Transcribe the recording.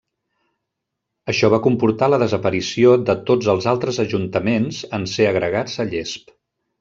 Això va comportar la desaparició de tots els altres ajuntaments, en ser agregats a Llesp.